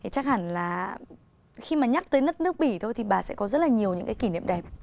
chắc hẳn là khi mà nhắc tới đất nước bỉ thôi thì bà sẽ có rất là nhiều những cái kỷ niệm đẹp